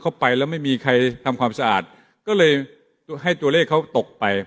เข้าไปแล้วไม่มีใครทำความสะอาดก็เลยให้ตัวเลขเขาตกไป